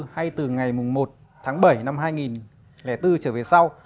hay từ ngày một tháng bảy năm hai nghìn bốn trở về sau